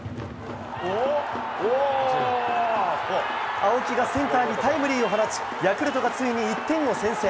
青木がセンターにタイムリーを放ちヤクルトがついに１点を先制。